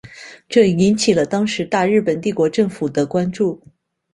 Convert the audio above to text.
这引起了当时大日本帝国政府的关注。